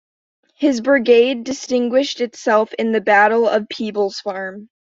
His brigade distinguished itself in the Battle of Peebles' Farm.